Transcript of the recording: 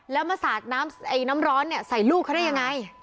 แล้วมาสาดน้ำร้อนเนี่ยใส่ลูกเขาได้ยังไง